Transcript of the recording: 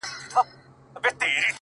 ه ياره د څراغ د مــړه كولو پــه نـيت ـ